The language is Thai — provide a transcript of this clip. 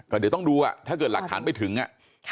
ก็เดี๋ยวต้องดูถ้าเกิดหลักฐานไปถึง